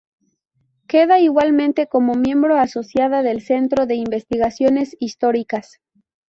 Queda igualmente como miembro asociada del Centro de investigaciones históricas.